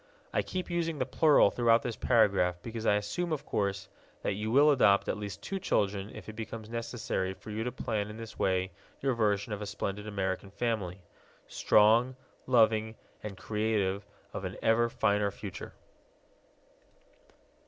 I keep using the plural throughout this paragraph because I assume, of course, that you will adopt at least two children if it becomes necessary for you to plan in this way your version of a splendid American family strong, loving, and creative of an ever finer future.